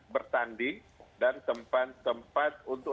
bertanding dan tempat tempat untuk